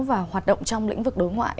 và hoạt động trong lĩnh vực đối ngoại